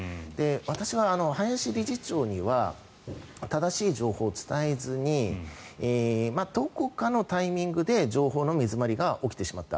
私は、林理事長には正しい情報を伝えずにどこかのタイミングで情報の目詰まりが起きてしまった。